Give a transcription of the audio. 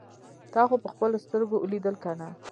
تا خو په خپلو سترګو اوليدل کنه.